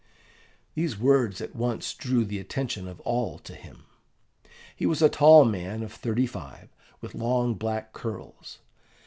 These words at once drew the attention of all to him. He was a tall man of thirty five, with long black curls.